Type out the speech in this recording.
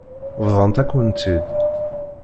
Bḍant-akent-t-id.